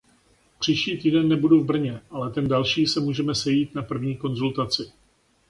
Příští týden nebudu v Brně, ale ten další se můžeme sejít na první konzultaci.